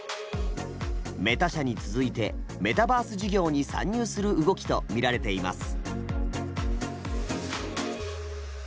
メタ社に続いてメタバース事業に参入する動きとみられています。